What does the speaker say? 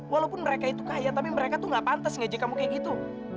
walaupun mereka itu kaya tapi mereka tuh gak pantas ngejk kamu kayak gitu